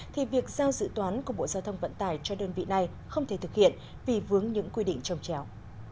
thì việc giao dự toán của bộ giao thông vận tải cho đơn vị này không thể thực hiện vì vướng những quy định trồng chéo